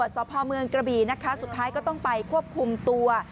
สุดท้ายก็ต้องไปควบคุมตัว